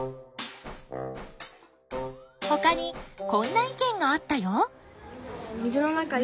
ほかにこんな意見があったよ。